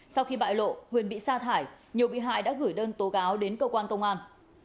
sau khi bại lộ huyền bị sa thải nhiều bị hại đã gửi đơn tố cáo đến cơ quan công an